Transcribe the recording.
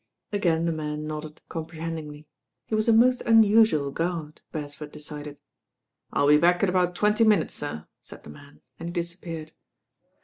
Again the man aodded comprehendingly. He was a most unusual guard, Bcresford decided. "I'll be back in about twenty minutes, sir," said the man, and he disappeared.